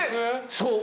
そう。